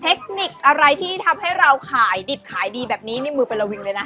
เทคนิคอะไรที่ทำให้เราขายดิบขายดีแบบนี้นี่มือเป็นระวิงเลยนะ